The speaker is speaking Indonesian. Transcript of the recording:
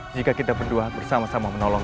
jika kita berdua bersama sama menolong